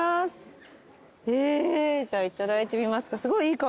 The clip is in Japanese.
えじゃあいただいてみますか。